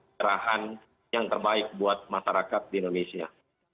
cerahan yang terbaik buat masyarakat di indonesia